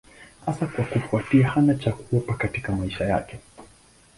Hasa kwa kufuatia hana cha kuwapa katika maisha yake.